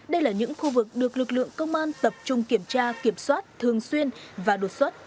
đây là những khu vực được lực lượng công an tập trung kiểm tra kiểm soát thường xuyên và đột xuất